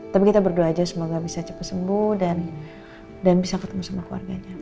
tapi kita berdoa aja semoga bisa cepat sembuh dan bisa ketemu sama keluarganya